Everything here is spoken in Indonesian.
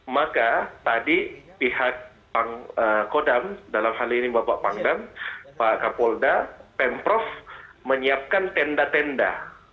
maka tadi pihak kodam dalam hal ini bapak pangdam pak kapolda pemprov menyiapkan tenda tenda